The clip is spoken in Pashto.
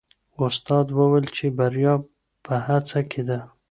استاد وویل چې بریا په هڅه کې ده.